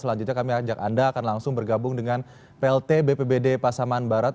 selanjutnya kami ajak anda akan langsung bergabung dengan plt bpbd pasaman barat